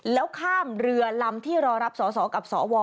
แล้วข้ามเรือลำที่รอรับสอสอกับสว